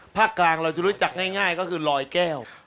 ภาคกลางเราจะรู้จักง่ายก็คือลอยแก้ว